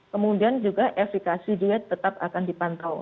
kemudian juga efikasi diet tetap akan dipantau